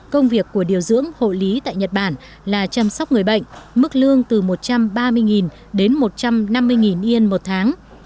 công việc của điều dưỡng hộ lý tại nhật bản là chăm sóc người bệnh mức lương từ một trăm ba mươi đến một trăm năm mươi yên một tháng